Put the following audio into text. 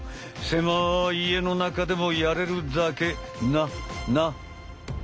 狭い家の中でもやれるだけ。な！な！